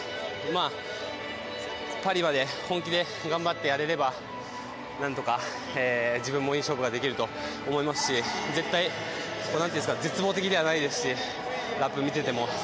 パリまで本気で頑張ってやれれば何とか自分もいい勝負ができると思いますし絶対絶望的ではないですしラップを見てても。